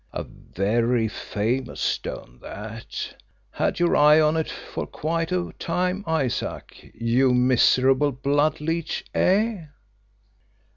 A very famous stone, that had your eye on it for quite a time, Isaac, you miserable blood leech, eh?"